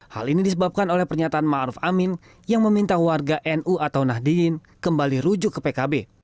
hal ini disebabkan oleh pernyataan ⁇ maruf ⁇ amin yang meminta warga nu atau nahdiyin kembali rujuk ke pkb